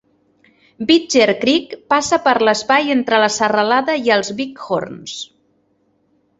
Bridger Creek passa per l'espai entre la serralada i els Bighorns.